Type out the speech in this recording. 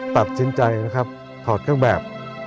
ตัดสินใจนะครับถอดเครื่องแบบ